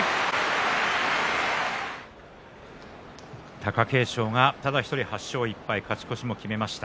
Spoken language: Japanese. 貴景勝が、ただ１人８勝１敗、勝ち越しも決めました。